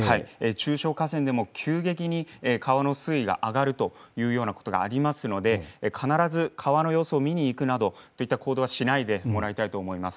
中小河川でも急激に川の水位が上がるというようなことがありますので、必ず川の様子を見に行くなどといった行動はしないでもらいたいと思います。